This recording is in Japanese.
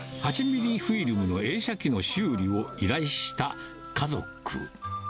８ミリフィルムの映写機の修理を依頼した家族。